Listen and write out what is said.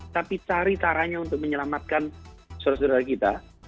tapi cari caranya untuk menyelamatkan saudara saudara kita